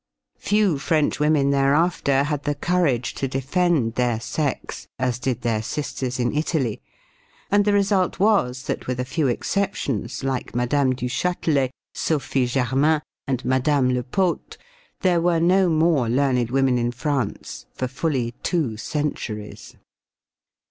" Few French women thereafter had the courage to defend their sex, as did their sisters in Italy, and the result was that, with a few exceptions, like Mme. du Châtelet, Sophie Germain, and Mme. Lepaute, there were no more learned women in France for fully two centuries.